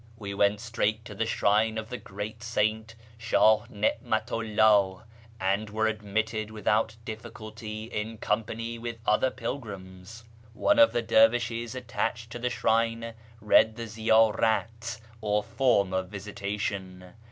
We went straight to the shrine of the great Saint Shah Xi'matu 'llah, and were admitted without difficulty in company wdth other pilgrims. One of the dervishes attached to the. shrine read tlie ziydrat, or form of visitation.